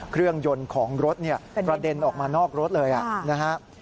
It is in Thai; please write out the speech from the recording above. เครื่องยนต์ของรถเนี่ยกระเด็นออกมานอกรถเลยนะครับ